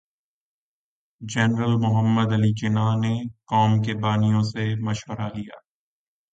general Muhammad Ali Jinnah نے قوم کے بانیوں سے مشورہ لیا